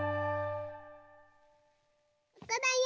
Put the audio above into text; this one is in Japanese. ここだよ